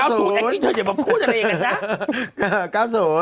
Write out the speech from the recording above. ๙๐แอ๊ฟกี้เธออย่าบอกพูดอะไรเองนะ